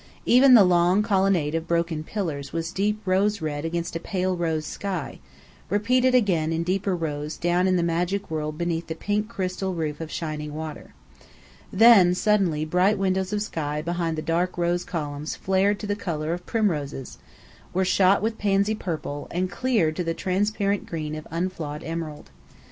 Even the long colonnade of broken pillars was deep rose red against a pale rose sky, repeated again in deeper rose down in a magic world beneath the pink crystal roof of shining water. Then, suddenly, bright windows of sky behind the dark rose columns flamed to the colour of primroses, were shot with pansy purple, and cleared to the transparent green of unflawed emerald.